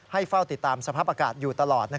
เฝ้าติดตามสภาพอากาศอยู่ตลอด